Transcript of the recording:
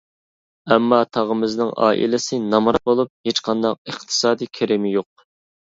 ئەمما تاغىمىزنىڭ ئائىلىسى نامرات بولۇپ، ھېچقانداق ئىقتىسادىي كىرىمى يوق.